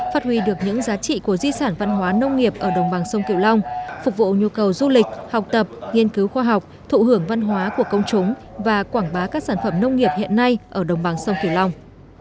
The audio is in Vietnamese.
phát huy được những giá trị của di sản văn hóa nông nghiệp ở đồng bằng sông kiều long phục vụ nhu cầu du lịch học tập nghiên cứu khoa học thụ hưởng văn hóa của công chúng và quảng bá các sản phẩm nông nghiệp hiện nay ở đồng bằng sông kiều long